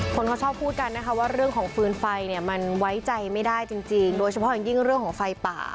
คนเขาชอบพูดกันนะคะว่าเรื่องของฟืนไฟเนี่ยมันไว้ใจไม่ได้จริงโดยเฉพาะอย่างยิ่งเรื่องของไฟป่า